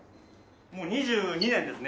もう２２年ですね。